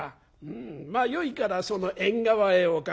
「うんまあよいからその縁側へお掛け。